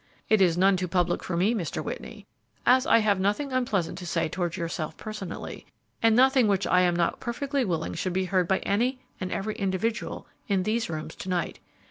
"It is none too public for me, Mr. Whitney, as I have nothing unpleasant to say towards yourself personally, and nothing which I am not perfectly willing should be heard by any and every individual in these rooms to night.